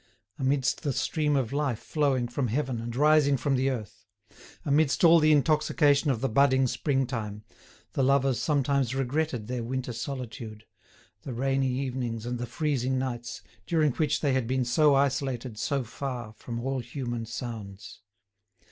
Amidst the stream of life flowing from heaven and rising from the earth, amidst all the intoxication of the budding spring time, the lovers sometimes regretted their winter solitude, the rainy evenings and the freezing nights, during which they had been so isolated so far from all human sounds.